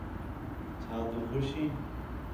چَھا تُو خُوش ہیں